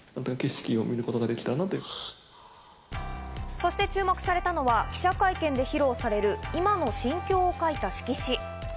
そして注目されたのは記者会見で披露される今の心境を書いた色紙。